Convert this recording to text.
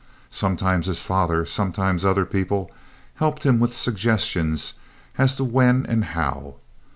Sometimes his father, sometimes other people, helped him with suggestions as to when and how.